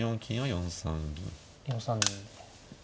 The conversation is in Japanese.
４三銀で。